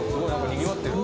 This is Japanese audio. にぎわってるね。